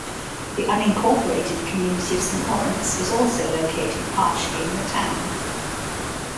The unincorporated community of Saint Lawrence is also located partially in the town.